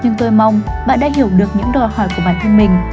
nhưng tôi mong bạn đã hiểu được những đòi hỏi của bản thân mình